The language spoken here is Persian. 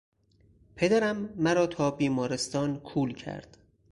پدرم مرا تا بیمارستان کول کرد.